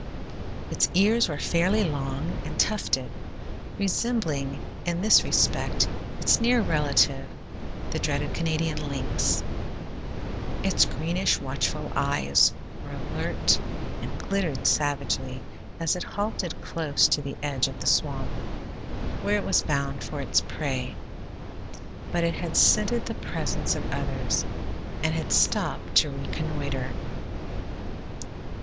Its ears were fairly long and tufted, resembling in this respect its near relative, the dreaded Canadian lynx; its greenish, watchful eyes were alert and glittered savagely as it halted close to the edge of the swamp, where it was bound for its prey, but it had scented the presence of others, and had stopped to reconnoiter.